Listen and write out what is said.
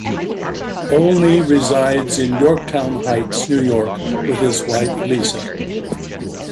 Olney resides in Yorktown Heights, New York, with his wife, Lisa.